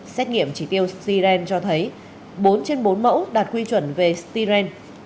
xét nghiệm chỉ tiêu stiren cho thấy bốn trên bốn mẫu đạt quy chuẩn về stiren